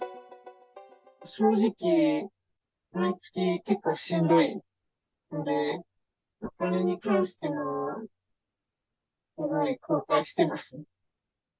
正直、毎月、結構しんどいので、お金に関してもすごい後悔してます。